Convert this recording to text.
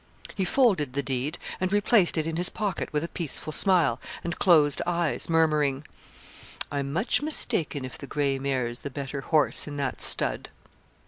He folded the deed, and replaced it in his pocket with a peaceful smile and closed eyes, murmuring 'I'm much mistaken if the gray mare's the better horse in that stud.'